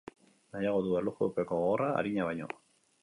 Nahiago du erlojupeko gogorra arina baino.